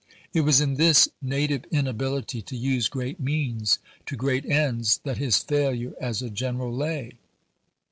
It was in this native inability to use great means, to great ends that his failure as a general lay.